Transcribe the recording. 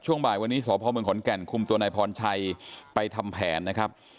บ่ายวันนี้สพเมืองขอนแก่นคุมตัวนายพรชัยไปทำแผนนะครับ